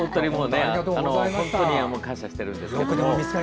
本当に感謝してるんです。